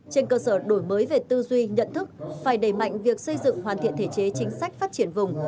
trên cơ sở đổi mới về tư duy nhận thức phải đẩy mạnh việc xây dựng hoàn thiện thể chế chính sách phát triển vùng